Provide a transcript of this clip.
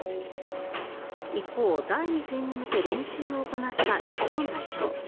一方、第２戦に向け練習を行った日本代表。